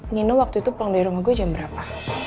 nino waktu itu pulang dari rumah gue jam berapa